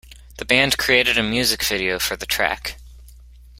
The band created a music video for the track.